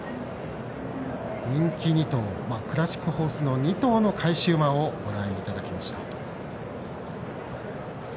人気２頭クラシックホース２頭の返し馬の様子をご覧いただきました。